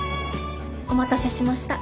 お待たせしました。